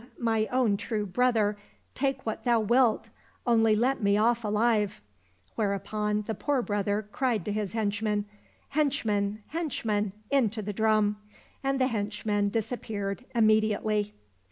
my own true brother, take what thou wilt, only let me off alive !" whereupon the poor brother cried to his henchmen, '* Henchmen, henchmen ! into the drum !" and the henchmen disappeared immediately.